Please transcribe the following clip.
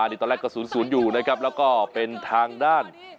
อันนี้ตอนแรกก็ศูนย์ศูนย์อยู่นะครับแล้วก็เป็นทางด้าน